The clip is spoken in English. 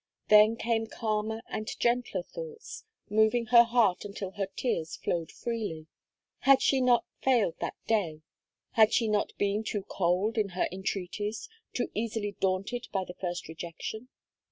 Then came calmer and gentler thoughts, moving her heart until her tears flowed freely. Had she not failed that day had she not been too cold in her entreaties, too easily daunted by the first rejection?